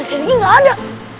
mr sergi gak ada